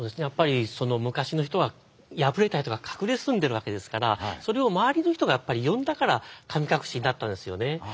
やっぱり昔の人は敗れたりとか隠れ住んでるわけですからそれを周りの人がやっぱり呼んだから神隠になったんですよね。